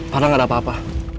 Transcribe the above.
karena gak ada apa apa